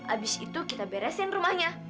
abis itu kita beresin rumahnya